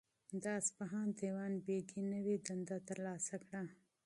د اصفهان دیوان بیګي نوی دنده ترلاسه کړه.